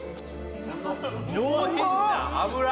上品な脂。